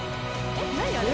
えっ何あれ？